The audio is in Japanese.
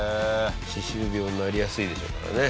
歯周病になりやすいでしょうからね。